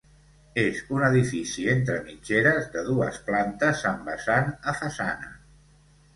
És un edifici entre mitgeres, de dues plantes amb vessant a façana.